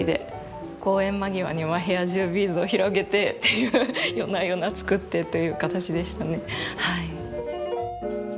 公演間際には部屋中ビーズを広げてっていう夜な夜な作ってという形でしたね。